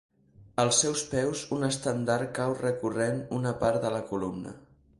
Als seus peus un estendard cau recorrent una part de la columna.